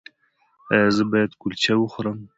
ایا زه باید کلچه وخورم؟